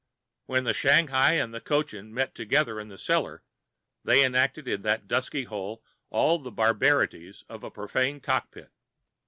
When Shanghai and Cochin met together in the cellar, they enacted in that dusky hole all the barbarities of a profane cockpit.